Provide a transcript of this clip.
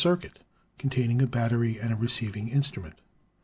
circuit containing a battery and a receiving instrument.